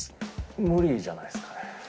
無理じゃないですかね。